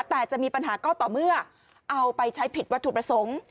แต่จะมีปัญหาก็ต่อเมื่อเอาไปใช้ผิดวัตถุประสงค์